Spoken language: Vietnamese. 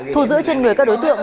thu giữ trên người các đối tượng